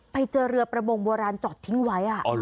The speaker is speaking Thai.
ไปเจอเรือประมงโบราณจอดทิ้งไว้